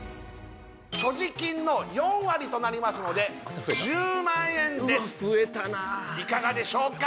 所持金の４割となりますので１０万円です増えたないかがでしょうか？